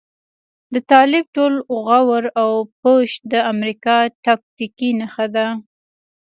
د طالب ټول غور او پش د امريکا تاکتيکي نښه ده.